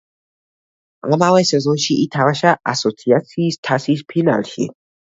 ამავე სეზონში ითამაშა ასოციაციის თასის ფინალში.